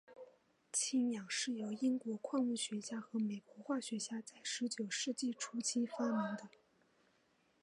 氢氧是由英国矿物学家和美国化学家在十九世纪初期发明的。